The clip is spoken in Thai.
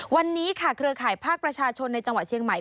วันนี้ค่ะเครือข่ายภาคประชาชนในจังหวัดเชียงใหม่